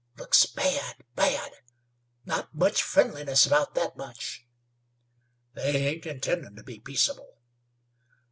Looks bad, bad! Not much friendliness about that bunch!" "They ain't intendin' to be peaceable."